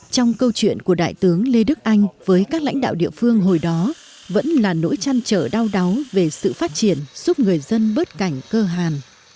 trong câu chuyện của đại tướng lê đức anh với các lãnh đạo địa phương hồi đó vẫn là nỗi chăn trở đau đáu về sự phát triển giúp người dân bớt cảnh cơ hàn